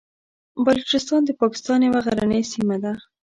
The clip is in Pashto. بلوچستان د پاکستان یوه غرنۍ سیمه ده.